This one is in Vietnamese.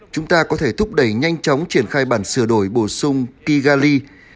chúng ta có thể thúc đẩy nhanh chóng triển khai bản sửa đổi bổ sung kigali